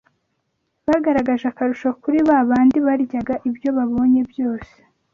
bagaragaje akarusho kuri ba bandi baryaga ibyo babonye byose